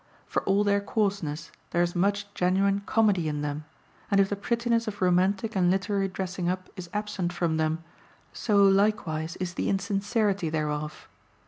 For all their coarseness, there is much genuine comedy in them, and if the prettiness of romantic and literary dressing up is absent from them, so likewise is the insincerity thereof.